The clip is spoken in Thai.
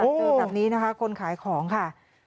เจอแบบนี้นะคะคนขายของค่ะ